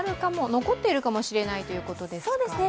残っているかもしれないということですかね？